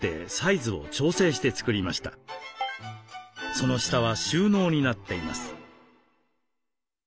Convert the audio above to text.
その下は収納になっています。